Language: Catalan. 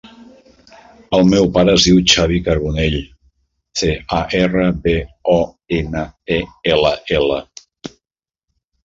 El meu pare es diu Xavi Carbonell: ce, a, erra, be, o, ena, e, ela, ela.